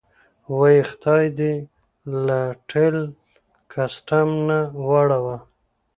وایي: خدای دې له ټل کسټم نه واړوه.